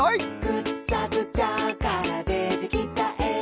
「ぐっちゃぐちゃからでてきたえ」